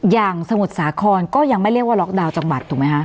สมุทรสาครก็ยังไม่เรียกว่าล็อกดาวน์จังหวัดถูกไหมคะ